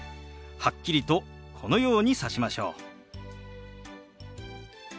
はっきりとこのようにさしましょう。